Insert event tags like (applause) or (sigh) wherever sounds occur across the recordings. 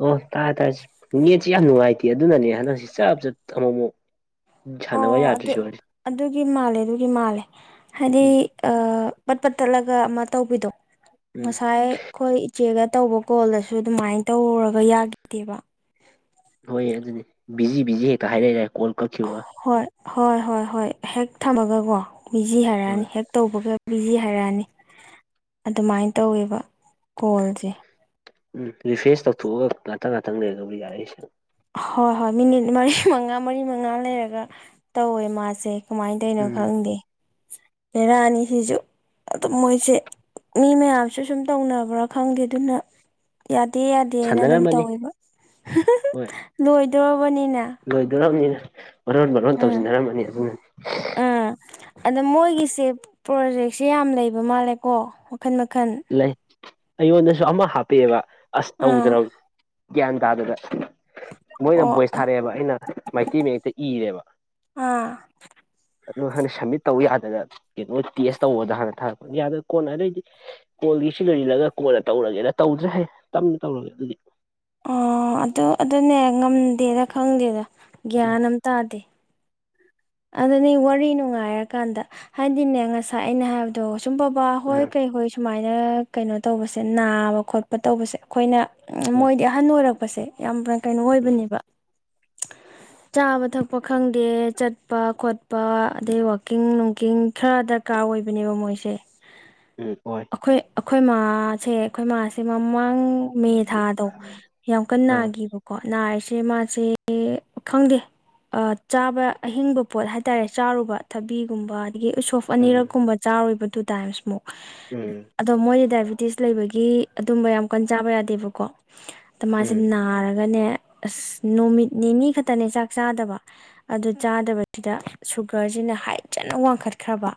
ꯑꯣ ꯇꯥꯔꯦ ꯇꯥꯔꯦ ꯅꯦꯠꯁꯤ ꯌꯥꯝ ꯅꯨꯡꯉꯥꯏꯇꯦ ꯑꯗꯨꯅꯅꯦ ꯍꯟꯗꯛꯁꯤ ꯆꯞ ꯆꯞ ꯑꯃꯨꯛ ꯑꯃꯨꯛ ꯎꯝ ꯁꯥꯟꯅꯕ ꯑꯣ ꯑꯗꯨ ꯌꯥꯗ꯭ꯔꯤꯁꯦ ꯍꯧꯖꯤ ꯑꯗꯨꯒꯤ ꯃꯥꯜꯂꯦ ꯑꯗꯨꯒꯤ ꯃꯥꯜꯂꯦ ꯍꯥꯏꯗꯤ ꯎꯝ ꯑ ꯄꯠ ꯄꯠ ꯇꯠꯂꯒ ꯑꯃ ꯇꯧꯕꯤꯗꯣ ꯎꯝ ꯉꯁꯥꯏ ꯑꯩꯈꯣꯏ ꯏꯆꯦꯒ ꯇꯧꯕ ꯀꯣꯜꯗꯁꯨ ꯑꯗꯨꯃꯥꯏꯅ ꯇꯧꯔꯒ ꯌꯥꯈꯤꯗꯦꯕ ꯍꯣꯏ ꯑꯗꯨꯅꯤ ꯕꯤꯖꯤ ꯕꯤꯖꯤ ꯍꯦꯛꯇ ꯍꯥꯏꯔꯛ ꯂꯩꯔꯦ ꯀꯣꯜ ꯀꯛꯈꯤꯕꯒ ꯍꯣꯏ ꯍꯣꯏ ꯍꯣꯏ ꯍꯣꯏ ꯍꯦꯛ ꯊꯝꯃꯒꯀꯣ ꯕꯤꯖꯤ ꯍꯣꯏ ꯍꯥꯏꯔꯛꯅꯤ ꯍꯦꯛ ꯇꯧꯕꯒ ꯕꯤꯖꯤ ꯍꯥꯏꯔꯛꯑꯅꯤ ꯑꯗꯨꯃꯥꯏꯅ ꯇꯧꯋꯦꯕ ꯀꯣꯜꯁꯦ ꯎꯝ ꯔꯤꯐ꯭ꯔꯦꯁ ꯇꯧꯊꯣꯛꯑꯒ ꯉꯥꯛꯇꯪ ꯉꯥꯛꯇꯪ ꯂꯩꯔꯒ ꯑꯃꯨꯛ ꯌꯥꯔꯛꯏꯁꯦ ꯍꯣꯏ ꯍꯣꯏ ꯃꯤꯅꯤꯠ ꯃꯔꯤ ꯃꯉꯥ ꯃꯔꯤ ꯃꯉꯥ ꯂꯩꯔꯒ ꯇꯧꯋꯦ ꯃꯥꯁꯦ ꯀꯃꯥꯏꯅ ꯇꯧꯅꯣ ꯎꯝ ꯈꯪꯗꯦ ꯕꯦꯔꯥꯅꯤꯁꯤꯁꯨ ꯑꯗꯨꯝ ꯃꯣꯏꯁꯦ ꯃꯤ ꯃꯌꯥꯝꯁꯨ ꯁꯨꯝ ꯇꯧꯅꯕ꯭ꯔꯥ ꯈꯪꯗꯦ ꯑꯗꯨꯅ ꯌꯥꯗꯦ ꯌꯥꯗꯦꯅ ꯑꯗꯨꯝ ꯁꯥꯟꯅꯔꯝꯃꯅꯤ ꯇꯧꯋꯦꯕ ꯍꯣꯏ ꯂꯣꯏꯗꯣꯔꯕꯅꯤꯅ ꯂꯣꯏꯗꯣꯔꯕꯅꯤꯅ ꯃꯔꯣꯟ ꯃꯔꯣꯟ ꯎꯝ ꯇꯧꯁꯤꯟꯅꯔꯝꯃꯅꯤ ꯑꯗꯨꯅꯅꯤ ꯎꯝ ꯑꯗ ꯃꯣꯏꯒꯤꯁꯦ ꯄ꯭ꯔꯣꯖꯦꯛꯁꯦ ꯌꯥꯝ ꯂꯩꯕ ꯃꯥꯜꯂꯦꯀꯣ ꯃꯈꯟ ꯃꯈꯟ ꯂꯩ ꯑꯩꯉꯣꯟꯗꯁꯨ ꯑꯃ ꯍꯥꯞꯄꯑꯦꯕ ꯑꯁ ꯑꯥ ꯇꯧꯗ꯭ꯔꯕꯅꯤ ꯒ꯭ꯌꯥꯟ ꯇꯥꯗꯦꯗ ꯃꯣꯏꯅ ꯑꯣ ꯚꯣꯏꯁ ꯊꯥꯔꯛꯑꯦꯕ ꯑꯩꯅ ꯃꯩꯇꯩ ꯃꯌꯦꯛꯇ ꯏꯔꯦꯕ ꯑꯥ ꯑꯗꯨ ꯍꯥꯟꯅ ꯁꯝꯃꯤꯠ ꯇꯧ ꯌꯥꯗ ꯗ ꯀꯩꯅꯣ ꯇꯦꯁ ꯇꯧꯕꯗ ꯍꯥꯟꯅ ꯊꯥꯔꯛꯄ ꯌꯥꯗ ꯀꯣꯟꯅ ꯑꯗꯩꯗꯤ ꯀꯣꯜꯒꯤ ꯁꯤ ꯂꯣꯏꯁꯤꯜꯂꯒ ꯀꯣꯜꯅ ꯇꯧꯔꯒꯦꯅ ꯇꯧꯗ꯭ꯔꯦ ꯍꯩ ꯇꯞꯅ ꯇꯧꯔꯒꯦ ꯑꯗꯨꯗꯤ ꯑꯣ ꯑꯗꯨ ꯑꯗꯨꯅꯦ ꯉꯝꯗꯦꯅ ꯈꯪꯗꯦꯗ ꯒ꯭ꯌꯥꯟ ꯎꯝ ꯑꯃ ꯇꯥꯗꯦ ꯑꯗꯨꯅꯤ ꯋꯥꯔꯤ ꯅꯨꯡꯉꯥꯏꯔꯀꯥꯟꯗ ꯍꯥꯏꯗꯤꯅꯦ ꯉꯁꯥꯏ ꯑꯩꯅ ꯍꯥꯏꯕ ꯑꯗꯣ ꯁꯨꯝ ꯕꯕꯥ ꯍꯣꯏ ꯀꯩ ꯍꯣꯏ ꯁꯨꯃꯥꯏꯅ ꯀꯩꯅꯣ ꯇꯧꯕꯁꯦ ꯅꯥꯕ ꯈꯣꯠꯄ ꯇꯧꯕꯁꯦ ꯑꯩꯈꯣꯏꯅ ꯎꯝ ꯃꯣꯏꯗꯤ ꯑꯍꯟ ꯑꯣꯏꯔꯛꯄꯁꯦ ꯌꯥꯝ ꯀꯩꯅꯣ ꯑꯣꯏꯕꯅꯦꯕ ꯆꯥꯕ ꯊꯛꯄ ꯈꯪꯗꯦꯠ ꯋꯠ ꯆꯠꯄ ꯈꯣꯠꯄ ꯑꯗꯩ ꯋꯥꯛꯀꯤꯡ ꯅꯨꯡꯀꯤꯡ ꯈꯔ ꯗꯔꯀꯥꯔ ꯑꯣꯏꯕꯅꯦꯕ ꯃꯣꯏꯁꯦ ꯎꯝ ꯍꯣꯏ ꯑꯩꯈꯣꯏ ꯑꯩꯈꯣꯏ ꯃꯥꯥꯁꯦ ꯑꯩꯈꯣꯏ ꯃꯥꯁꯦ ꯃꯃꯥꯡ ꯃꯦ ꯊꯥꯗꯣ ꯌꯥꯝ ꯀꯟꯅ ꯑꯥ ꯅꯥꯈꯤꯕꯀꯣ ꯅꯥꯔꯤꯁꯦ ꯃꯥꯁꯦ ꯈꯪꯗꯦ ꯆꯥꯕ ꯑꯍꯤꯡꯕ ꯄꯣꯠ ꯍꯥꯏꯇꯥꯔꯦ ꯆꯥꯔꯨꯕ ꯊꯕꯤꯒꯨꯝꯕ ꯑꯗꯒꯤ ꯎꯁꯣꯐ ꯎꯝ ꯑꯅꯤꯔꯛꯀꯨꯝꯕ ꯆꯥꯔꯨꯕ ꯇꯨ ꯇꯥꯏꯝꯁ ꯃꯨꯛ ꯎꯝ ꯑꯗꯣ ꯃꯣꯏꯗꯤ ꯗꯥꯏꯕꯤꯇꯤꯁ ꯂꯩꯕꯒꯤ ꯑꯗꯨꯝꯕ ꯌꯥꯝ ꯀꯟ ꯆꯥꯕ ꯌꯥꯗꯦꯕꯀꯣ ꯗ ꯃꯥꯁꯦ ꯎꯝ ꯅꯥꯔꯒꯅꯦ ꯑꯁ ꯅꯨꯃꯤꯠ ꯅꯤꯅꯤ ꯈꯛꯇꯅꯦ ꯆꯥꯛ ꯆꯥꯗꯕ ꯑꯗꯨ ꯆꯥꯗꯕ ꯁꯤꯗ ꯁꯨꯒꯔꯖꯤꯅ ꯍꯥꯏꯠꯖꯅ ꯋꯥꯡꯈꯠꯈ꯭ꯔꯕ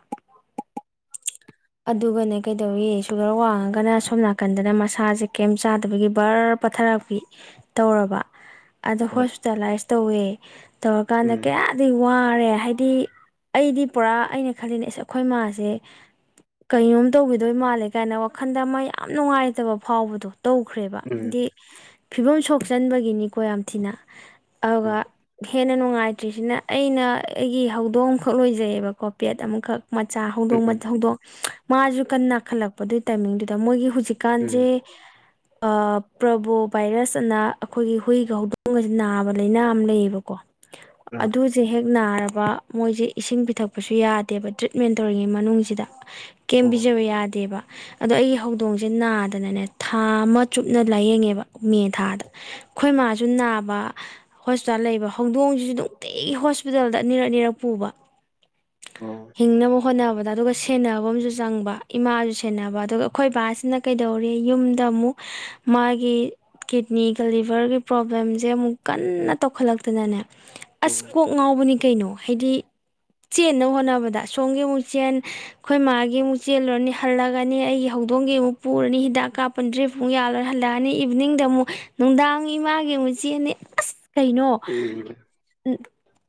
ꯑꯗꯨꯒꯅꯦ ꯀꯩꯗꯧꯋꯏ ꯁꯨꯒꯔ ꯋꯥꯡꯉꯒꯅ ꯁꯣꯝ ꯅꯥꯀꯟꯗꯅ ꯃꯁꯥꯁꯦ ꯀꯦꯝ ꯆꯥꯗꯕꯒꯤ ꯕꯔꯞ ꯄꯊꯔꯥꯄꯤ ꯇꯧꯔꯕ ꯑꯗꯣ ꯍꯣꯏ ꯍꯣꯁꯄꯤꯇꯥꯂꯥꯏꯁ ꯇꯧꯋꯦ ꯇꯧꯔꯀꯥꯟꯗ ꯎꯝ ꯀꯌꯥꯝ ꯑꯗꯩ ꯋꯥꯔꯦ ꯍꯥꯏꯗꯤ ꯑꯩꯗꯤ ꯄꯨꯔꯥ ꯑꯩꯅ ꯈꯜꯂꯤꯅꯦ ꯑꯁ ꯑꯩꯈꯣꯏ ꯃꯥꯥꯁꯦ ꯀꯩꯅꯣꯝ ꯇꯧꯕꯤꯗꯣꯏ ꯃꯥꯜꯂꯦ ꯀꯥꯏꯅ ꯋꯥꯈꯟꯗ ꯑꯃ ꯌꯥꯝ ꯅꯨꯡꯉꯥꯏꯇꯕ ꯐꯥꯎꯕꯗꯣ ꯇꯧꯈ꯭ꯔꯦꯕ ꯎꯝ ꯍꯥꯏꯗꯤ ꯐꯤꯕꯝ ꯁꯣꯛꯆꯟꯕꯒꯤꯅꯤꯀꯣ ꯌꯥꯝ ꯊꯤꯅ ꯑꯗꯨꯒ ꯎꯝ ꯍꯦꯟꯅ ꯅꯨꯡꯉꯥꯏ ꯆꯇ꯭ꯔꯤꯁꯤꯅ ꯑꯩꯅ ꯑꯩꯒꯤ ꯍꯧꯗꯣꯡ ꯑꯃꯈꯛ ꯂꯣꯏꯖꯩꯌꯦꯕ ꯀꯣ ꯄꯦꯠ ꯑꯃꯈꯛ ꯃꯆꯥ ꯍꯧꯗꯣꯡ ꯎꯝ ꯍꯧꯗꯣꯛ ꯃꯥꯁꯨ ꯀꯟꯅ ꯅꯥꯈꯠꯂꯛꯄ ꯑꯗꯨꯏ ꯇꯥꯏꯃꯤꯡꯗꯨꯗ ꯃꯣꯏꯒꯤ ꯎꯝ ꯍꯧꯨꯖꯤꯛꯀꯥꯟꯖꯦ ꯑ ꯄ꯭ꯔꯕꯣ ꯚꯥꯏꯔꯁ ꯑꯅ ꯑꯩꯈꯣꯏꯒꯤ ꯍꯨꯏꯒ ꯍꯧꯗꯣꯡꯒꯁꯤ ꯅꯥꯕ ꯂꯥꯏꯅꯥ ꯑꯃ ꯂꯩꯌꯦꯕꯀꯣ ꯑꯥ ꯑꯗꯨ ꯁꯦ ꯍꯦꯛ ꯅꯥꯔꯕ ꯃꯣꯏꯁꯦ ꯏꯁꯤꯡ ꯄꯤꯊꯛꯄꯁꯨ ꯌꯥꯗꯦꯕ ꯇ꯭ꯔꯤꯠꯃꯦꯟ ꯇꯧꯔꯤꯉꯩ ꯃꯅꯨꯡꯁꯤꯗ ꯀꯦꯝ ꯑꯣ ꯄꯤꯖꯕ ꯌꯥꯗꯦꯕ ꯑꯗꯣ ꯑꯩꯒꯤ ꯍꯧꯗꯣꯡꯁꯦ ꯅꯥꯗꯅꯅꯦ ꯊꯥ ꯑꯃ ꯆꯨꯞꯅ ꯂꯥꯏꯌꯦꯡꯉꯦꯕ ꯃꯦ ꯊꯥꯗ ꯑꯩꯈꯣꯏ ꯃꯥꯁꯨ ꯅꯥꯕ ꯍꯣꯁꯄꯤꯇꯥꯜ ꯂꯩꯕ ꯍꯧꯗꯣꯡꯁꯤꯁꯨ ꯅꯨꯡꯇꯤꯒꯤ ꯍꯣꯁꯄꯤꯇꯥꯜꯗ ꯑꯅꯤꯔꯛ ꯑꯅꯤꯔꯛ ꯄꯨꯕ ꯑꯣ ꯍꯤꯡꯅꯕ ꯍꯣꯠꯅꯕꯗ ꯑꯗꯨꯒ ꯁꯦꯟꯅꯕ ꯑꯃꯁꯨ ꯆꯪꯕ ꯏꯃꯥꯁꯨ ꯁꯦꯟꯅꯕ ꯑꯗꯨꯒ ꯑꯩꯈꯣꯏ ꯕꯥꯁꯤꯅ ꯀꯩꯗꯧꯔꯦ ꯌꯨꯝꯗ ꯑꯃꯨꯛ ꯃꯥꯒꯤ ꯀꯤꯠꯅꯤꯒ ꯂꯤꯚꯔꯒꯤ ꯄ꯭ꯔꯣꯕ꯭ꯂꯦꯝꯁꯦ ꯑꯃꯨꯛ ꯀꯟꯅ ꯇꯧꯈꯠꯂꯛꯇꯅꯅꯦ ꯎꯝ ꯑꯁ ꯎꯝ ꯀꯣꯛ ꯉꯥꯎꯕꯅꯤ ꯀꯩꯅꯣ ꯍꯥꯏꯗꯤ ꯆꯦꯟꯅꯕ ꯍꯣꯠꯅꯕꯗ ꯑꯁꯣꯝꯒꯤ ꯑꯃꯨꯛ ꯆꯦꯟ ꯑꯩꯈꯣꯏ ꯃꯥꯒꯤ ꯑꯃꯨꯛ ꯆꯦꯜꯂꯨꯔꯅꯤ ꯍꯜꯂꯑꯅꯤ ꯑꯩꯒꯤ ꯍꯧꯗꯣꯡꯒꯤ ꯑꯃꯨꯛ ꯄꯨꯔꯅꯤ ꯍꯤꯗꯥꯛ ꯀꯥꯞꯄꯅꯤ ꯗ꯭ꯔꯤꯕ ꯑꯃꯨꯛ ꯌꯥꯜꯂꯣꯏ ꯍꯜꯂꯛꯑꯅꯤ ꯏꯚꯅꯤꯡꯗ ꯑꯃꯨꯛ ꯅꯨꯡꯗꯥꯡ ꯏꯃꯥꯒꯤ ꯑꯃꯨꯛ ꯆꯦꯟꯅꯤ ꯑꯁ ꯀꯩꯅꯣ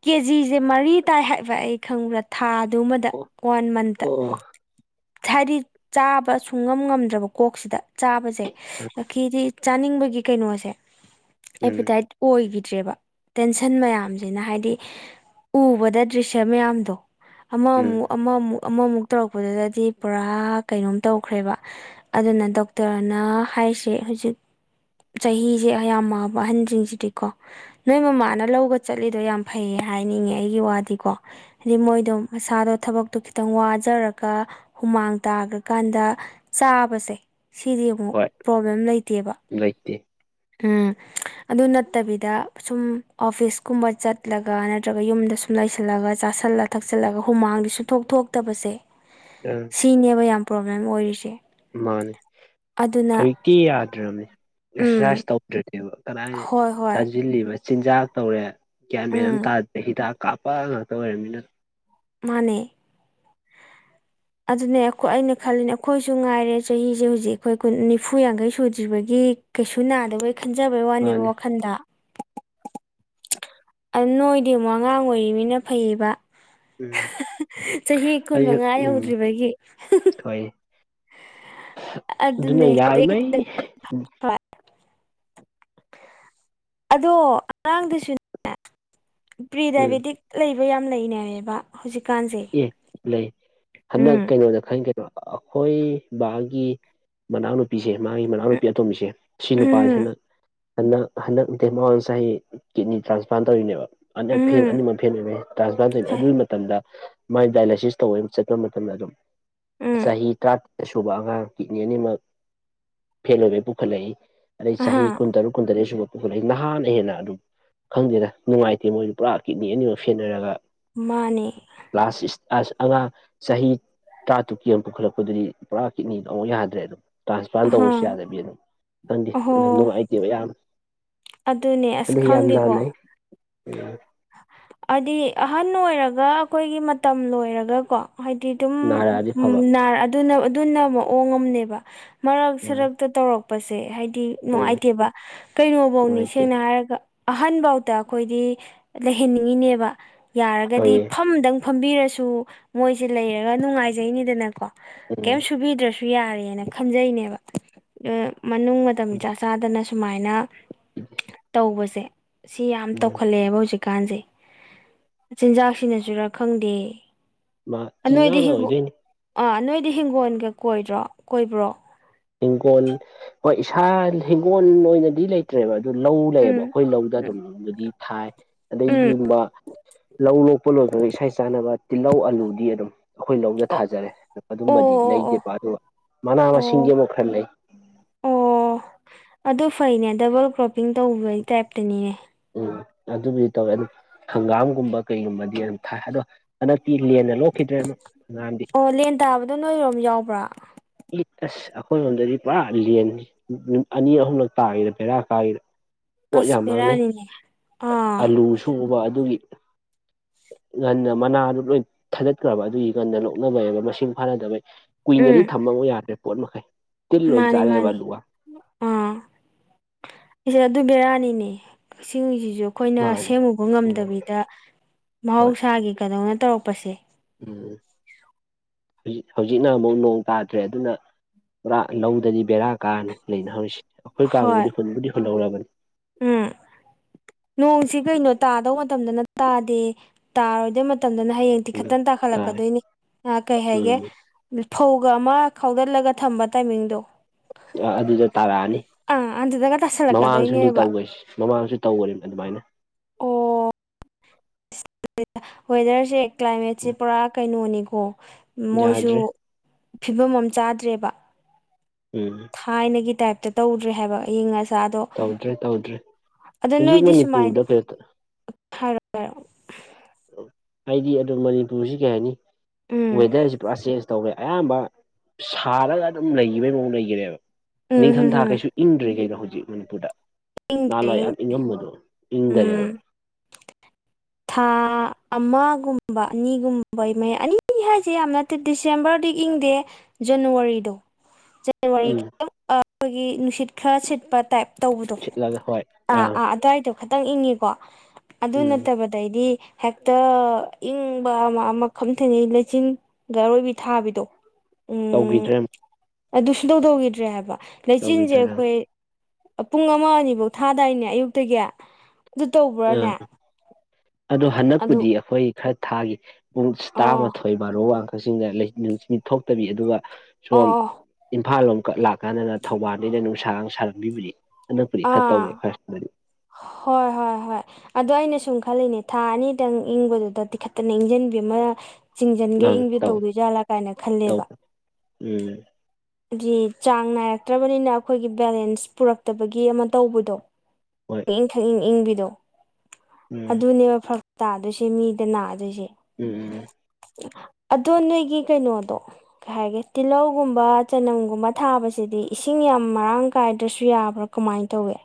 ꯀꯦꯖꯤꯁꯦ ꯃꯔꯤ ꯇꯥꯏ ꯍꯥꯏꯕ ꯑꯩ ꯈꯪꯕ꯭ꯔꯥ ꯊꯥꯗꯨꯃꯗ ꯑꯣ ꯋꯥꯟ ꯃꯟ ꯑꯣ ꯍꯥꯏꯗꯤ ꯆꯥꯕ ꯁꯨꯡ ꯉꯝ ꯉꯝꯗ꯭ꯔꯕ ꯀꯣꯛꯁꯤꯗ ꯆꯥꯕꯁꯦ ꯑꯈꯈꯤꯗꯤ ꯆꯥꯅꯤꯡꯕꯒꯤ ꯀꯩꯅꯣꯁꯦ ꯎꯝ ꯑꯦꯄꯤꯇꯥꯏꯠ ꯑꯣꯏꯒꯤꯗ꯭ꯔꯦꯕ ꯇꯦꯟꯁꯟ ꯃꯌꯥꯝꯖꯤꯅ ꯍꯥꯏꯗꯤ ꯎꯕꯗ ꯗ꯭ꯔꯤꯁ꯭ꯌ ꯃꯌꯥꯝꯗꯣ ꯎꯝ ꯑꯃꯃꯨꯛ ꯑꯃꯃꯨꯛ ꯑꯃꯃꯨꯛ ꯇꯧꯔꯛꯄꯗꯨꯗꯗꯤ ꯄꯨꯔꯥ ꯀꯩꯅꯣꯝ ꯇꯧꯈ꯭ꯔꯦꯕ ꯑꯗꯨꯅ ꯗꯣꯛꯇꯔꯅ ꯍꯥꯏꯁꯦ ꯍꯧꯖꯤꯛ ꯆꯍꯤꯖꯦ ꯑꯌꯥꯝꯃꯥꯑꯕ ꯑꯍꯟꯖꯤꯡꯖꯤꯗꯤꯀꯣ ꯅꯣꯏ ꯃꯃꯥꯅ ꯂꯧꯒ ꯆꯠꯂꯤꯗꯣ ꯌꯥꯝ ꯐꯩꯌꯦ ꯍꯥꯏꯅꯤꯡꯉꯦ ꯑꯩꯒꯤ ꯋꯥꯗꯤꯀꯣ ꯍꯥꯏꯗꯤ ꯃꯣꯏꯗꯣ ꯃꯁꯥꯗꯣ ꯊꯕꯛꯇꯣ ꯈꯤꯇꯪ ꯋꯥ ꯊꯖꯔꯒ ꯍꯨꯃꯥꯡ ꯇꯥꯒ꯭ꯔꯀꯥꯟꯗ ꯆꯥꯕꯖꯦ ꯁꯤꯗꯤ ꯑꯃꯨꯛ ꯍꯣꯏ ꯄ꯭ꯔꯣꯕ꯭ꯂꯦꯝ ꯂꯩꯇꯦꯕ ꯂꯩꯇꯦ ꯎꯝ ꯑꯗꯨ ꯅꯠꯇꯕꯤꯗ ꯁꯨꯝ ꯑꯣꯐꯤꯁꯀꯨꯝꯕ ꯆꯠꯂꯒ ꯅꯠꯇ꯭ꯔꯒ ꯌꯨꯝꯗ ꯁꯨꯝ ꯂꯩꯁꯜꯂꯒ ꯆꯥꯥꯁꯜꯂ ꯊꯛꯆꯜꯂꯒ ꯍꯨꯃꯥꯡꯗꯤ ꯁꯨꯊꯣꯛ ꯊꯣꯛꯇꯕꯁꯦ (unintelligible) ꯁꯤꯅꯦꯕ ꯌꯥꯝ ꯄ꯭ꯔꯣꯕ꯭ꯂꯦꯝ ꯑꯣꯏꯔꯤꯁꯦ ꯃꯥꯅꯦ ꯑꯗꯨꯅ ꯍꯧꯖꯤꯛꯇꯤ ꯌꯥꯗ꯭ꯔꯕꯅꯤ ꯎꯝ ꯑꯦꯛꯁꯔꯁꯥꯏꯁ ꯇꯧ ꯗ꯭ꯔꯗꯤꯕ ꯀꯗꯥꯏ ꯍꯣꯏ ꯍꯣꯏ ꯆꯥꯖꯤꯜꯂꯤꯕ ꯆꯤꯟꯖꯥꯛ ꯇꯧꯔꯦ ꯒ꯭ꯌꯥꯟ ꯃꯦꯟ ꯑꯝ ꯎꯝ ꯇꯥꯗꯦ ꯍꯤꯗꯥꯛ ꯀꯥꯄꯄꯥ ꯉꯇ ꯑꯣꯏꯔꯃꯤꯅ ꯃꯥꯅꯦ ꯑꯗꯨꯅꯦ ꯑꯈꯣ ꯑꯩꯅ ꯈꯜꯂꯤꯅꯦ ꯑꯩꯈꯣꯏꯁꯨ ꯉꯥꯏꯔꯦ ꯆꯍꯤꯖꯦ ꯍꯧꯖꯤꯛ ꯑꯩꯈꯣꯏ ꯅꯤꯐꯨ ꯌꯥꯡꯈꯩ ꯁꯨꯗ꯭ꯔꯤꯕꯒꯤ ꯀꯩꯁꯨ ꯅꯥꯗꯕꯣꯏ ꯈꯟꯖꯕꯩ ꯋꯥꯅꯦꯕ ꯃꯥꯅꯦ ꯋꯥꯈꯟꯗ ꯑꯗꯨ ꯅꯣꯏꯗꯤ ꯑꯃꯨꯛ ꯑꯉꯥꯡ ꯑꯣꯏꯔꯤꯅꯤꯅ ꯐꯩꯌꯦꯕ ꯎꯝ ꯆꯍꯤ ꯀꯨꯟ ꯑꯩꯁꯨ ꯃꯉꯥ ꯎꯝ ꯌꯧꯗ꯭ꯔꯤꯕꯒꯤ ꯊꯣꯛꯏ ꯑꯗꯨꯅ ꯑꯗꯨꯅꯦ ꯌꯥꯔꯤꯉꯩ (inaudible) ꯍꯣꯏ ꯑꯗꯣ ꯑꯉꯥꯡꯗꯨꯁꯨꯅꯦ ꯎꯝ ꯄ꯭ꯔꯤꯗꯥꯏꯕꯦꯇꯤꯛ ꯂꯩꯕ ꯌꯥꯝ ꯂꯩꯅꯔꯦꯕ ꯍꯧꯖꯤꯛꯀꯥꯟꯁꯦ ꯂꯩ ꯍꯟꯗꯛ ꯎꯝ ꯀꯩꯅꯣꯗ ꯈꯪꯒꯦ ꯑꯩꯈꯣꯏ ꯕꯥꯒꯤ ꯃꯅꯥꯎꯅꯨ ꯄꯤꯁꯦ ꯃꯥꯒꯤ ꯃꯅꯥꯎ ꯅꯨꯨꯄꯤ ꯑꯇꯣꯝꯕꯤꯁꯦ ꯁꯤ ꯎꯝ ꯎꯝ ꯅꯨꯄꯥꯁꯤꯅ ꯍꯟꯗꯛ ꯍꯟꯗꯛ ꯅꯠꯇꯦ ꯃꯃꯥꯡ ꯆꯍꯤ ꯀꯤꯠꯅꯤ ꯇ꯭ꯔꯥꯟꯁꯄ꯭ꯂꯥꯟ ꯇꯧꯔꯤꯅꯦꯕ ꯍꯟꯗꯛ ꯐꯦꯜ ꯎꯝ ꯑꯅꯤꯃꯛ ꯐꯦꯟ ꯑꯣꯏꯕꯩ ꯇ꯭ꯔꯥꯟꯁꯄ꯭ꯂꯥꯟ ꯇꯩꯅꯤ ꯍꯦ ꯑꯗꯨꯏ ꯃꯇꯝꯗ ꯃꯥꯥꯏ ꯗꯥꯏꯂꯥꯏꯁꯤꯁ ꯇꯧꯕ ꯆꯠꯄ ꯃꯇꯝꯗ ꯑꯗꯨꯝ ꯎꯝ ꯆꯍꯤ ꯇꯔꯥꯇꯦꯠ ꯁꯨꯕ ꯑꯉꯥꯡ ꯀꯤꯠꯅꯤ ꯑꯅꯤꯃꯛ ꯐꯦꯜ ꯑꯣꯏꯕꯩ ꯄꯨꯈꯠꯂꯛꯏ ꯑꯗꯩ ꯑꯍꯥ ꯆꯍꯤ ꯀꯨꯟꯇꯔꯨꯛ ꯀꯨꯟꯇꯔꯦꯠꯁꯨꯕ ꯑꯗꯨ ꯑꯩ ꯅꯍꯥꯟꯅ ꯍꯦꯟꯅ ꯑꯗꯨꯝ ꯈꯪꯗꯦꯅ ꯅꯨꯡꯉꯥꯏꯇꯦ ꯃꯣꯏꯗꯨ ꯄꯨꯔꯥ ꯀꯤꯠꯅꯤ ꯑꯅꯤꯃꯛ ꯁꯦꯟꯅꯔꯒ ꯃꯥꯅꯦ ꯀ꯭ꯂꯥꯁ ꯑꯉꯥꯡ ꯆꯍꯤ ꯇꯔꯥ ꯇꯨꯛꯀꯤ ꯑꯃ ꯄꯨꯈꯠꯂꯛꯄꯗꯨꯗꯤ ꯄꯨꯔꯥ ꯀꯤꯠꯅꯤꯗ ꯑꯃꯨꯛ ꯌꯥꯗ꯭ꯔꯦ ꯑꯗꯨꯝ ꯇ꯭ꯔꯥꯟꯁꯄ꯭ꯂꯥꯟ ꯑꯍꯥ ꯇꯧꯕꯁꯨ ꯌꯥꯗꯕꯤ ꯑꯗꯨꯝ ꯈꯪꯗꯦ ꯑꯍꯣ ꯑꯗꯨ ꯅꯨꯡꯉꯥꯏꯇꯦꯕ ꯌꯥꯝ ꯑꯗꯨꯅꯦ ꯑꯁ ꯈꯪꯗꯦꯀꯣ (unintelligible) ꯍꯥꯏꯗꯤ ꯑꯍꯟ ꯑꯣꯏꯔꯒ ꯑꯩꯈꯣꯏꯒꯤ ꯃꯇꯝ ꯂꯣꯏꯔꯒꯀꯣ ꯍꯥꯏꯗꯤ ꯑꯗꯨꯝ ꯅꯥꯔꯛꯑꯗꯤ ꯐꯕ ꯅꯥꯔ ꯑꯗꯨꯅ ꯑꯗꯨꯅ ꯃꯑꯣꯡꯉꯝꯅꯦꯕ ꯃꯔꯛ ꯎꯝ ꯁꯔꯛ ꯇꯧꯔꯛꯄꯁꯦ ꯍꯥꯏꯗꯤ ꯍꯣꯏꯌꯦ ꯅꯨꯡꯉꯥꯏꯇꯦꯕ ꯀꯩꯅꯣꯐꯧꯅꯤ ꯅꯨꯡꯉꯥꯏꯇꯦ ꯁꯦꯡꯅ ꯍꯥꯏ ꯍꯥꯏꯔꯒ ꯑꯍꯟ ꯐꯥꯎꯗ ꯑꯩꯈꯣꯏꯗꯤ ꯂꯩꯍꯟꯅꯤꯡꯉꯤꯅꯦꯕ ꯌꯥꯔꯒꯗꯤ ꯍꯣꯏꯌꯦ ꯐꯝꯗꯪ ꯐꯝꯕꯤꯔꯁꯨ ꯃꯣꯏꯁꯦ ꯂꯩꯔꯒ ꯅꯨꯡꯉꯥꯏꯖꯩꯅꯤꯗꯅꯀꯣ ꯎꯝ ꯀꯩꯝ ꯁꯨꯕꯤꯗ꯭ꯔꯁꯨ ꯌꯥꯔꯦꯅ ꯈꯟꯖꯩꯅꯦꯕ ꯃꯅꯨꯡ ꯃꯇꯝꯆꯥ ꯆꯥꯗꯅ ꯁꯨꯃꯥꯏꯅ (unintelligible) ꯇꯧꯕꯁꯦ ꯁꯤ ꯌꯥꯝ ꯎꯝ ꯇꯧꯈꯠꯂꯛꯑꯦꯕ ꯍꯧꯖꯤꯛ ꯀꯥꯟꯁꯦ ꯆꯤꯟꯖꯥꯛꯁꯤꯅ ꯆꯔꯥ ꯈꯪꯗꯦ ꯃꯥ ꯅꯣꯏꯗꯤ ꯆꯤꯟꯖꯥꯛꯅ ꯍꯤꯡꯒꯣꯟ ꯑꯣꯏꯗꯣꯏꯅꯤ ꯑꯥ ꯅꯣꯏꯗꯤ ꯍꯤꯡꯒꯣꯜꯒ ꯀꯣꯏꯗ꯭ꯔꯣ ꯀꯣꯏꯕ꯭ꯔꯣ ꯍꯤꯡꯒꯣꯜ ꯍꯣꯏ ꯏꯁꯥ ꯍꯤꯡꯒꯣꯜ ꯑꯣꯏꯅꯗꯤ ꯂꯩꯇ ꯠꯇ꯭ꯔꯦꯕ ꯑꯗꯨ ꯂꯧ ꯂꯩꯌꯦꯕ ꯎꯝ ꯑꯩꯈꯣꯏ ꯂꯧꯗ ꯑꯗꯨꯝꯕꯨꯗꯤ ꯊꯥꯏ ꯎꯝ ꯑꯗꯩꯒꯨꯝꯕ ꯂꯧ ꯂꯣꯛꯄ ꯂꯣꯏꯕꯒ ꯏꯁꯩ ꯆꯥꯅꯕ ꯇꯤꯜꯍꯧ ꯑꯂꯨꯗꯤ ꯑꯗꯨꯝ ꯑꯩꯈꯣꯏ ꯂꯧꯗ ꯑꯣ ꯊꯥꯖꯔꯦ ꯑꯗꯨꯝꯕꯗꯤ ꯑꯣ ꯑꯣ ꯂꯩꯇꯦꯕ ꯑꯗꯨꯒ ꯃꯅꯥ ꯑꯣ ꯃꯁꯤꯡꯗꯤ ꯑꯃꯨꯛ ꯈꯔ ꯂꯩ ꯑꯣ ꯑꯗꯨ ꯐꯩꯅꯦ ꯗꯕꯜ ꯀ꯭ꯔꯣꯞꯄꯤꯡ ꯇꯧꯕꯒꯤ ꯇꯥꯏꯞꯇꯅꯤꯅꯦ ꯎꯝ ꯑꯗꯨꯕꯨꯗꯤ ꯇꯧꯋꯦ ꯑꯗꯨ ꯍꯪꯒꯥꯝꯒꯨꯝꯕ ꯀꯩꯒꯨꯝꯕꯗꯤ ꯌꯥꯝ ꯊꯥꯏ ꯑꯗꯣ ꯍꯟꯗꯛꯇꯤ ꯂꯦꯟꯅ ꯂꯧꯈꯤꯗ꯭ꯔꯦ ꯑꯃ ꯑꯉꯝꯗꯤ ꯑꯣ ꯂꯦꯟ ꯇꯥꯕꯗꯣ ꯅꯣꯏꯔꯣꯝ ꯌꯥꯎꯕ꯭ꯔꯥ ꯏ ꯑꯁ ꯑꯩꯈꯣꯏꯔꯣꯝꯗꯗꯤ ꯄꯨꯔꯥ ꯂꯅꯤ ꯅꯨꯃꯤꯠ ꯑꯅꯤ ꯑꯍꯨꯝꯂꯛ ꯇꯥꯈꯤꯗ ꯄꯦꯔꯥ ꯀꯥꯏꯈꯤꯗ ꯄꯣꯠ ꯑꯁ ꯌꯥꯝ ꯃꯥꯡꯅꯩ ꯕꯦꯔꯥꯅꯤꯅꯦ ꯑꯥ ꯑꯂꯨ ꯁꯨꯕ ꯑꯗꯨꯒꯤ ꯉꯟꯅ ꯃꯅꯥꯗꯨ ꯂꯣꯏ ꯊꯥꯗꯠꯈ꯭ꯔꯕ ꯑꯗꯨꯒꯤ ꯉꯟꯅ ꯂꯣꯛꯅꯕꯩꯕ ꯃꯁꯤꯡ ꯐꯥꯅꯗꯕꯩ ꯀꯨꯏꯅꯗꯤ ꯎꯝ ꯊꯝꯃꯃꯨ ꯌꯥꯗ꯭ꯔꯦ ꯄꯣꯠ ꯃꯈꯩ ꯇꯤꯜ ꯂꯣꯏ ꯃꯥꯅꯤ ꯆꯥꯔꯛꯑꯦꯕ ꯃꯥꯅꯤ ꯑꯂꯨꯒ ꯑꯥ ꯑꯩꯁꯦ ꯑꯗꯨ ꯕꯤꯔꯌꯥꯅꯤꯅꯦ ꯀꯛꯁꯤꯡꯤꯡꯁꯤꯁꯨ ꯑꯩꯈꯣꯏꯅ ꯃꯥꯅ ꯁꯦꯝꯉꯨꯕ ꯎꯝ ꯉꯝꯗꯕꯤꯗ ꯍꯣꯏ ꯃꯍꯧꯁꯥꯒꯤ ꯀꯗꯧꯅ ꯇꯧꯔꯛꯄꯁꯦ ꯎꯝ ꯍꯧꯖꯤ ꯍꯧꯖꯤꯛꯅ ꯑꯃꯨꯛ ꯅꯣꯡ ꯇꯥꯗ꯭ꯔꯦ ꯑꯗꯨꯅ ꯄꯨꯔꯥ ꯂꯧꯗꯗꯤ ꯕꯦꯔꯥ ꯀꯥꯔꯅꯤ ꯂꯩꯅꯍꯧꯔꯤꯁꯤꯦ ꯑꯩꯈꯣꯏ ꯍꯣꯏ ꯀꯥꯡꯕꯨꯗꯤ ꯍꯨꯟꯕꯨꯗꯤ ꯍꯨꯜꯍꯧꯔꯕꯅꯤ ꯎꯝ ꯅꯣꯡꯁꯤ ꯀꯩꯅꯣ ꯇꯥꯗꯧ ꯃꯇꯝꯗꯅ ꯇꯥꯗꯦ ꯇꯥꯔꯣꯏꯗꯕ ꯃꯇꯝꯗꯅ ꯍꯌꯦꯡ ꯤ ꯈꯈꯤꯇꯪ ꯇꯥꯔꯦ ꯇꯥꯈꯠꯂꯛꯀꯗꯣꯏꯅꯤ ꯀꯩ ꯍꯥꯏꯒꯦ ꯎꯝ ꯐꯧꯒ ꯑꯃ ꯈꯥꯎꯗꯠꯂꯒ ꯊꯝꯕ ꯇꯥꯏꯃꯤꯡꯗꯣ ꯑꯗꯨꯗ ꯇꯥꯔꯛꯑꯅꯤ ꯑꯥ ꯑꯗꯨꯗꯒ ꯃꯃꯥꯡꯁꯨꯅꯤ ꯇꯥꯁꯜꯂꯛꯀꯗꯣꯏꯅꯦꯕ ꯇꯧꯒ꯭ꯔꯤꯁꯤ ꯃꯃꯥꯡꯁꯨ ꯇꯧꯒ꯭ꯔꯤꯝꯅꯤ ꯑꯗꯨꯃꯥꯏꯅ ꯑꯣ ꯋꯦꯗꯔꯁꯦ ꯀ꯭ꯂꯥꯏꯃꯦꯠꯁꯦ ꯄꯨꯔꯥ ꯀꯩꯅꯣꯅꯤꯀꯣ ꯃꯣꯏꯁꯨ ꯌꯥꯗ꯭ꯔꯦ ꯐꯤꯕꯝ ꯑꯃ ꯆꯥꯗ꯭ꯔꯦꯕ ꯎꯝ ꯊꯥꯏꯅꯒꯤ ꯇꯥꯏꯞꯇ ꯇꯧꯗ꯭ꯔꯦ ꯍꯥꯏꯕ ꯑꯩ ꯉ ꯑꯗꯨ ꯇꯧꯗ꯭ꯔꯦ ꯇꯧꯗ꯭ꯔꯦ ꯍꯧꯖꯤꯛ ꯅꯣꯏꯗꯤ ꯁꯨꯃꯥꯏꯅ ꯃꯅꯤꯄꯨꯔꯗ ꯀꯩꯅꯣ ꯍꯥꯏꯔꯣ ꯍꯥꯏꯔꯣ ꯍꯥꯏꯗꯤ ꯑꯗꯨ ꯃꯅꯤꯄꯨꯔꯁꯤ ꯀꯩ ꯍꯥꯏꯅꯤ ꯎꯝ ꯋꯦꯗꯔꯁꯤ ꯄꯨꯔꯥ ꯆꯦꯟꯖ ꯇꯧꯋꯦ ꯑꯌꯥꯝꯕ ꯁꯥꯔꯒ ꯑꯗꯨꯝ ꯂꯩꯕꯩ ꯃꯑꯣꯡ ꯂꯩꯒꯅꯦꯦꯕ ꯎꯝ ꯍꯝ ꯅꯤꯡꯊꯝꯊꯥ ꯍꯝ ꯀꯩꯁꯨ ꯏꯪꯗ꯭ꯔꯤ ꯀꯩꯅꯣ ꯍꯧꯖꯤꯛ ꯃꯅꯤꯄꯨꯔꯗ ꯏꯪꯗ꯭ꯔꯦ ꯅꯍꯥꯟꯋꯥꯏ ꯌꯥꯝ ꯏꯪꯗ꯭ꯔꯦ ꯏꯪꯉꯝꯕꯗꯣ ꯏꯪꯗꯔꯦꯕ ꯎꯝ ꯊꯥ ꯑꯃꯒꯨꯝꯕ ꯑꯅꯤꯒꯨꯝꯕꯩ ꯃꯌꯥ ꯑꯅꯤ ꯍꯥꯏꯁꯦ ꯌꯥꯝꯅ ꯅꯠꯇꯦ ꯗꯤꯁꯦꯝꯕꯔꯗꯤ ꯏꯪꯗꯦ ꯖꯅꯋꯥꯔꯤꯗꯣ (inaudible) ꯎꯝ ꯅꯨꯡꯁꯤꯠ ꯈꯔ ꯁꯤꯠꯄ ꯇꯥꯏꯞ ꯇꯧꯕꯗꯣ ꯁꯤꯠꯂꯒ ꯍꯣꯏ ꯑꯥ ꯑꯥ ꯑꯗꯨꯋꯥꯏꯗꯣ ꯈꯇꯪ ꯏꯪꯉꯤꯀꯣ ꯑꯗꯨꯅ ꯎꯝ ꯑꯗꯩꯗꯤ ꯍꯦꯛꯇ ꯏꯪꯕ ꯑꯃ ꯑꯃ ꯈꯝꯊꯅꯩ ꯂꯩꯆꯤꯟ ꯒꯥꯔꯣꯏꯕꯤ ꯊꯥꯕꯤꯗꯣ ꯇꯧꯈꯤꯗ꯭ꯔꯦ ꯑꯗꯨꯁꯨꯨꯡ ꯇꯧꯗꯧꯈꯤꯗ꯭ꯔꯦ ꯍꯥꯏꯕ ꯂꯩꯆꯤꯟꯁꯦ ꯇꯧꯈꯤꯗ꯭ꯔꯦ ꯑꯥ ꯑꯩꯈꯣꯏ ꯄꯨꯡ ꯑꯃ ꯑꯅꯤꯐꯧ ꯊꯥꯗꯥꯏꯅꯦ ꯑꯌꯨꯛꯇꯒꯤ ꯑꯗꯨ ꯇꯧꯕ꯭ꯔꯥꯅꯦ ꯑꯥ ꯑꯗꯣ ꯑꯗꯨ ꯍꯟꯗꯛꯄꯨꯗꯤ ꯑꯩꯈꯣꯏ ꯈꯔ ꯊꯥꯈꯤ ꯄꯨꯡ ꯑꯣ ꯇꯔꯥꯃꯥꯊꯣꯏ ꯕꯥꯔꯣ ꯋꯥꯡ ꯀꯛꯆꯤꯡꯗ ꯅꯨꯡꯁꯤꯤ ꯊꯣꯛꯇꯕꯤ ꯑꯗꯨꯒ ꯑꯣ ꯁꯣꯝ ꯑꯣ ꯏꯝꯐꯥꯜ ꯂꯣꯝ ꯀ ꯂꯥꯛꯀꯥꯟꯗ ꯊꯧꯕꯥꯜꯅꯤꯩꯅ ꯅꯨꯡꯁꯥ ꯅꯨꯡ ꯁꯥ ꯂꯟꯕꯤꯕꯅꯤ ꯑꯅꯛꯄꯗꯤ ꯈꯔ ꯑꯥ ꯇꯧꯋꯦꯣꯏꯗꯤ ꯍꯣꯏ ꯍꯣꯏ ꯍꯣꯏ ꯑꯗꯣ ꯑꯩꯅ ꯁꯨꯝ ꯈꯜꯂꯤꯅꯦ ꯊꯥ ꯑꯅꯤꯗꯪ ꯏꯪꯕꯗꯨꯗ ꯇꯤꯈꯠꯇꯅ ꯏꯪꯖꯟꯕꯤ ꯑꯃ ꯆꯤꯡꯖꯟꯒꯩ ꯑꯪ ꯏꯪꯕꯤ ꯇꯧꯋꯦ ꯇꯧꯗꯣꯏꯖꯥꯠꯂꯥ ꯀꯥꯏꯅ ꯈꯜꯂꯦꯕ ꯇꯧꯋꯦ ꯎꯝ ꯍꯥꯏꯗꯤ ꯆꯥꯡ ꯅꯥꯏꯔꯛꯇ꯭ꯔꯕꯅꯤꯅ ꯑꯩꯈꯣꯏꯒꯤ ꯕꯦꯂꯦꯟꯁ ꯄꯨꯔꯛꯇꯕꯒꯤ ꯑꯃ ꯇꯧꯕꯗꯣ ꯍꯣꯏ ꯈꯪꯏꯪ ꯈꯪꯏꯪ ꯏꯪꯕꯤꯗꯣ ꯎꯝ ꯑꯗꯨꯅꯦꯕ ꯐꯔꯛ ꯇꯥꯗꯣꯏꯁꯦ ꯃꯤꯗ ꯅꯥꯗꯣꯏꯁꯦ ꯎꯝ ꯎꯝ ꯑꯗꯣ ꯅꯣꯏꯒꯤ ꯀꯩꯅꯣꯗꯣ ꯀꯩ ꯍꯥꯏꯒꯦ ꯇꯤꯜꯍꯧꯒꯨꯝꯕ ꯆꯅꯝꯒꯨꯝꯕ ꯊꯥꯕꯁꯤꯗꯤ ꯏꯁꯤꯡ ꯌꯥꯝ ꯃꯔꯥꯡ ꯀꯥꯏꯗ꯭ꯔꯁꯨ ꯌꯥꯕ꯭ꯔꯥ ꯀꯃꯥꯏꯅ ꯇꯧꯋꯦ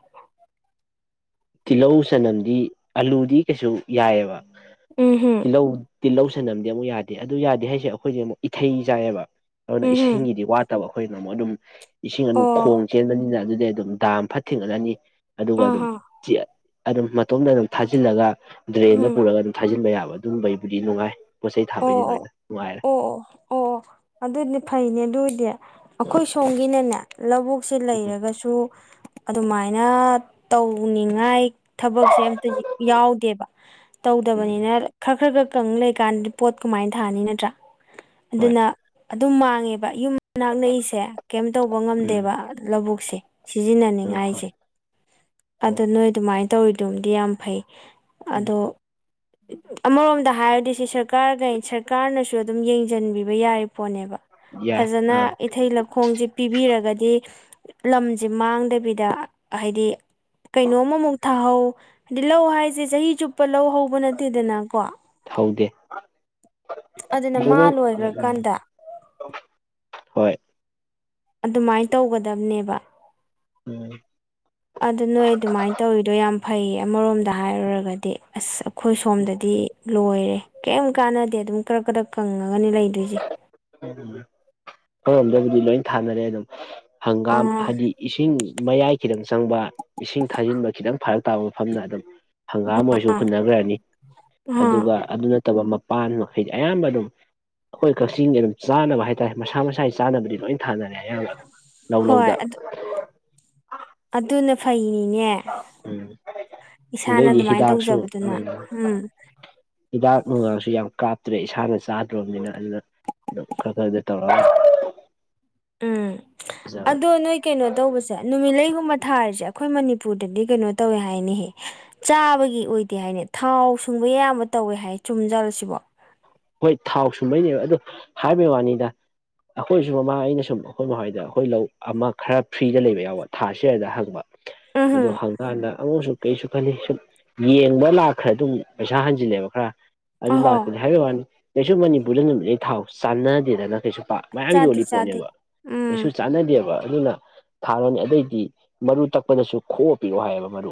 ꯇꯤꯜꯍꯧ ꯆꯅꯝꯗꯤ ꯑꯂꯨꯗꯤ ꯀꯩꯁꯨ ꯌꯥꯏꯑꯦꯕ ꯎꯝ ꯍꯝ ꯇꯤꯜꯍꯧ ꯇꯤꯜꯍꯧ ꯁꯟꯝꯗꯤ ꯑꯃꯨꯛ ꯌꯥꯗꯦ ꯑꯗꯨ ꯌꯥꯗꯦ ꯍꯥꯏꯁꯦ ꯑꯩꯈꯣꯏꯁꯦ ꯑꯃꯨꯛ ꯏꯊꯩ ꯆꯥꯏꯑꯕ ꯑꯗꯨꯅ ꯎꯝ ꯍꯝ ꯏꯁꯤꯡꯒꯤꯗꯤ ꯋꯥꯠꯇꯕ ꯑꯩꯈꯣꯏꯅ ꯑꯃꯨꯛ ꯑꯗꯨꯝ ꯏꯁꯤꯡ ꯑꯣ ꯑꯗꯨ ꯈꯣꯡ ꯆꯦꯟꯕꯅꯤꯅ ꯑꯗꯨꯗꯩ ꯑꯗꯨꯝ ꯗꯥꯝ ꯐꯠꯇ ꯊꯤꯡꯒꯠꯂꯅꯤ ꯑꯗꯨꯒ ꯑꯥ ꯑꯗꯨꯝ ꯍꯥ ꯑꯗꯨꯝ ꯃꯇꯣꯝꯗ ꯑꯗꯨꯝ ꯊꯥꯖꯤꯜꯂꯒ ꯗ꯭ꯔꯦꯟꯗ ꯎꯝ ꯄꯨꯔꯒ ꯑꯗꯨꯝ ꯊꯥꯖꯤꯟꯕ ꯌꯥꯕ ꯑꯗꯨꯝꯕꯩꯕꯨꯗꯤ ꯅꯨꯡꯉꯥꯏ ꯄꯣꯠ ꯆꯩ ꯑꯣ ꯊꯥꯕꯩꯁꯤꯗꯤ ꯂꯣꯏꯅ ꯅꯨꯡꯉꯥꯏꯔꯦ ꯑꯣ ꯑꯣ ꯑꯣ ꯑꯣ ꯑꯗꯨꯗꯤ ꯐꯩꯅꯦ ꯑꯗꯨꯗꯤ ꯎꯝ ꯑꯩꯈꯣꯏ ꯁꯣꯝꯒꯤꯅꯅꯦ ꯂꯧꯕꯨꯛꯁꯦ ꯎꯝ ꯂꯩꯔꯒꯁꯨ ꯑꯗꯨꯃꯥꯏꯅ ꯇꯧꯅꯤꯡꯉꯥꯏ ꯊꯕꯛꯁꯦ ꯑꯝꯇ ꯌꯥꯎꯗꯦꯕ ꯎꯝ ꯇꯧꯗꯕꯅꯤꯅ ꯈꯔ ꯈꯔ ꯈꯔ ꯀꯪ ꯂꯩꯀꯥꯟꯗ ꯄꯣꯠ ꯀꯃꯥꯏꯅ ꯊꯥꯅꯤ ꯅꯠꯇ꯭ꯔꯥ ꯍꯣꯏ ꯑꯗꯨꯅ ꯑꯗꯨꯝ ꯃꯥꯡꯉꯦꯕ ꯌꯨꯝ ꯃꯅꯥꯛ ꯅꯛꯏꯁꯦ ꯀꯩꯝ ꯇꯧꯕ ꯎꯝ ꯉꯝꯗꯦꯕ ꯂꯧꯕꯨꯛꯁꯦ ꯎꯝ ꯍꯣꯏ ꯁꯤꯖꯤꯟꯅꯅꯤꯡꯉꯥꯏꯁꯦ ꯎꯝ ꯑꯗꯣ ꯅꯣꯏ ꯑꯗꯨꯃꯥꯏꯅ ꯇꯧꯔꯤꯗꯨꯕꯨꯗꯤ ꯌꯥꯝ ꯐꯩ ꯑꯗꯣ ꯑꯃꯔꯣꯝꯗ ꯍꯥꯏꯔꯗꯤ ꯁꯤ ꯁꯔꯀꯥꯔꯒ ꯁꯔꯀꯥꯔꯅꯁꯨ ꯑꯗꯨꯝ ꯌꯦꯡꯁꯤꯟꯕꯤꯕ ꯌꯥꯔꯤ ꯄꯣꯠꯅꯦꯕ ꯎꯝ ꯌꯥꯏ ꯐꯖꯅ ꯑꯥ ꯏꯊꯩ ꯂꯧ ꯈꯣꯡꯁꯦ ꯄꯤꯕꯤꯔꯒꯗꯤ ꯂꯝꯁꯦ ꯃꯥꯡꯗꯕꯤꯗ ꯍꯥꯏꯗꯤ ꯀꯩꯅꯣꯝ ꯑꯃꯃꯨꯛ ꯊꯥꯍꯧ ꯍꯥꯏꯗꯤ ꯂꯧ ꯍꯥꯏꯁꯦ ꯆꯍꯤ ꯆꯨꯞꯄ ꯂꯧ ꯍꯧꯕ ꯅꯠꯇꯦꯗꯅꯀꯣ ꯍꯧꯗꯦ ꯑꯗꯨꯅ ꯃꯥ ꯂꯣꯏꯈ꯭ꯔꯀꯥꯟꯗ ꯍꯣꯏ ꯑꯗꯨꯃꯥꯏꯅ ꯇꯧꯒꯗꯕꯅꯦꯕ ꯎꯝ ꯑꯗ ꯅꯣꯏ ꯑꯗꯨꯃꯥꯏꯅ ꯇꯧꯔꯤꯗꯣ ꯌꯥꯝ ꯐꯩꯌꯦ ꯑꯃꯔꯣꯝꯗ ꯍꯥꯏꯔꯨꯔꯒꯗꯤ ꯑꯁ ꯑꯩꯈꯣꯏ ꯁꯣꯝꯗꯗꯤ ꯂꯣꯏꯔꯦ ꯀꯩꯝ ꯀꯥꯟꯅꯗꯦ ꯑꯗꯨꯝ ꯀꯔꯛ ꯀꯔꯛ ꯀꯪꯉꯒꯅꯤ ꯂꯩꯗꯣꯏꯁꯦ ꯑꯩꯈꯣꯏ ꯔꯣꯝꯗꯕꯨꯗꯤ ꯂꯣꯏ ꯊꯥꯅꯔꯦ ꯑꯗꯨꯝ ꯍꯪꯒꯥꯝ ꯑꯥ ꯍꯥꯏꯗꯤ ꯏꯁꯤꯡ ꯃꯌꯥꯏ ꯈꯤꯇꯪ ꯆꯪꯕ ꯏꯁꯤꯡ ꯊꯥꯖꯤꯟꯕ ꯈꯤꯇꯪ ꯐꯔꯛ ꯇꯥꯕ ꯃꯐꯝꯗ ꯑꯗꯨꯝ ꯍꯪꯒꯥꯝ ꯑꯣꯏꯣꯏꯔꯁꯨ ꯍꯨꯟꯅꯈ꯭ꯔꯅꯤ ꯑꯥ ꯑꯗꯨꯒ ꯑꯗꯨꯅ ꯅꯠꯇꯕ ꯃꯄꯥꯟ ꯍꯥꯏꯗꯤ ꯑꯌꯥꯝꯕ ꯑꯗꯨꯝ ꯑꯩꯈꯣꯏ ꯏꯁꯤꯡ ꯑꯗꯨꯝ ꯆꯥꯅꯕ ꯍꯥꯏꯇꯥꯔꯦ ꯃꯁꯥ ꯃꯁꯥꯒꯤ ꯆꯥꯅꯕꯗꯤ ꯂꯣꯏ ꯊꯥꯅꯔꯦ ꯑꯌꯥꯝꯥꯛ ꯑꯗꯨ ꯂꯧ ꯍꯣꯏ ꯂꯧꯗ ꯑꯗꯨ ꯑꯗꯨꯅ ꯐꯩꯅꯤꯅꯦ ꯎꯝ ꯏꯁꯥꯅ ꯅꯣꯏꯒꯤ ꯑꯗꯨꯃꯥꯏꯅ ꯍꯤꯗꯥꯛꯁꯨ ꯎꯝ ꯇꯧꯖꯕꯗꯨꯅ ꯎꯝ ꯍꯤꯗꯥꯛ ꯅꯨꯡꯉꯥꯡꯁꯨ ꯌꯥꯝ ꯀꯥꯞꯇ꯭ꯔꯦ ꯏꯁꯥꯅ ꯆꯥꯗ꯭ꯔꯣꯕꯅꯤꯅ ꯑꯗꯨꯅ ꯈꯔ ꯈꯔ ꯗꯤ ꯇꯧꯔꯛ ꯎꯝ ꯑꯗꯣ ꯅꯣꯏ ꯀꯩꯅꯣ ꯇꯧꯕꯁꯦ ꯅꯨꯃꯤꯠꯂꯩꯒꯨꯝꯕ ꯊꯥꯔꯤꯁꯦ ꯑꯩꯈꯣꯏ ꯃꯅꯤꯄꯨꯔꯗꯗꯤ ꯀꯩꯅꯣ ꯇꯧꯋꯦ ꯍꯥꯏꯅꯦꯍꯦ ꯆꯥꯕꯒꯤ ꯑꯣꯏꯗꯦ ꯍꯥꯏꯅꯦ ꯊꯥꯎ ꯁꯨꯡꯕ ꯑꯌꯥꯝꯕ ꯇꯧꯋꯦ ꯍꯥꯏ ꯆꯨꯝꯖꯜꯂ ꯁꯤꯕꯣ ꯍꯣꯏ ꯊꯥꯎ ꯁꯨꯝꯕꯩꯅꯦꯕ ꯑꯗꯣ ꯍꯥꯏꯕꯩ ꯋꯥꯅꯤꯗ ꯑꯩꯈꯣꯏꯁꯨ ꯃꯃꯥ ꯑꯩꯅ ꯁꯨꯝ ꯑꯩꯈꯣꯏ ꯃꯥꯏꯗ ꯑꯩꯈꯣꯏ ꯂꯧ ꯑꯃ ꯈꯔ ꯐ꯭ꯔꯤꯗ ꯂꯩꯕ ꯌꯥꯎꯕ ꯊꯥꯥꯁꯔꯗ ꯍꯪꯕ ꯑꯗꯨ ꯎꯝꯍꯨꯝ ꯍꯪꯀꯥꯟꯗ ꯑꯃꯨꯛꯁꯨ ꯀꯩꯁꯨ ꯈꯜꯂꯤ ꯁꯨꯝ ꯌꯦꯡꯕ ꯂꯥꯛꯈ꯭ꯔ ꯑꯗꯨꯝ ꯄꯩꯁꯥ ꯍꯟꯖꯤꯜꯂꯦꯕ ꯈꯔ ꯑꯗꯨ ꯑꯍꯣ ꯂꯥꯛꯇꯗꯤ ꯍꯥꯏꯕ ꯋꯥꯅꯤ ꯀꯩꯁꯨ ꯃꯅꯤꯄꯨꯔꯗ ꯅꯨꯃꯤꯠꯂꯩ ꯊꯥꯎ ꯆꯥꯟꯅꯗꯦꯗꯅ ꯀꯩꯁꯨ ꯃꯌꯥꯝ ꯆꯥꯗꯦ ꯌꯣꯜꯂꯤ ꯆꯥꯗꯦ ꯄꯣꯠꯅꯦꯕ ꯀꯩꯁꯨ ꯎꯝ ꯆꯥꯟꯅꯗꯦꯕ ꯑꯗꯨꯅ ꯊꯥꯔꯣꯅꯤ ꯑꯗꯩꯗꯤ ꯃꯔꯨ ꯇꯛꯄꯗꯁꯨ ꯈꯣꯛꯑ ꯄꯤꯔꯛꯑꯣ ꯍꯥꯏꯌꯦꯕ ꯃꯔꯨ